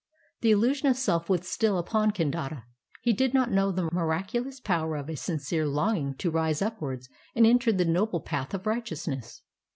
" The illusion of self was still upon Kandata. He did not know the miraculous power of a sincere longing to rise upwards and enter the noble path of righteousness.